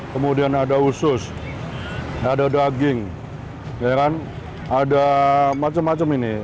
kemudian ada usus ada daging ada macem macem ini